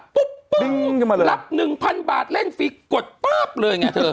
ปุ๊บหลับ๑๐๐บาทเล่นฟรีกดป๊าบเลยไงเธอ